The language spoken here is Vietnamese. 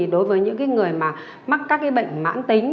đối với những người mà mắc các bệnh mãn tính